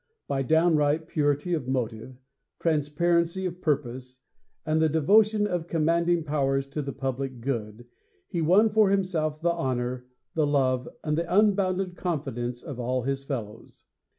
By downright purity of motive, transparency of purpose, and the devotion of commanding powers to the public good, he won for himself the honor, the love and the unbounded confidence of all his fellows.